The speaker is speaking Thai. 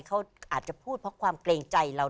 เขาอาจจะพูดเพราะความเกรงใจเรา